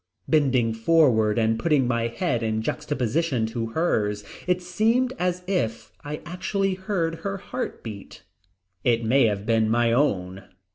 Bending forward and putting my head in juxtaposition to hers it seemed as if I actually heard her heart beat. It may have been my own.